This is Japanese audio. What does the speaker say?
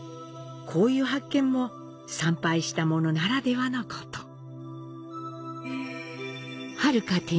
こういう発見も参拝した者ならではのこと。